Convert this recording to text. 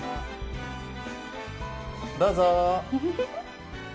どうぞ。